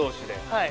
はい。